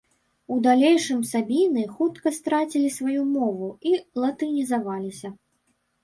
У далейшым сабіны хутка страцілі сваю мову і латынізаваліся.